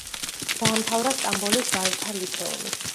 დაამთავრა სტამბოლის ვაჟთა ლიცეუმი.